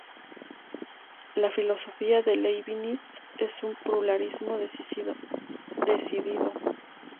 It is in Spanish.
La filosofía de Leibniz es un pluralismo decidido.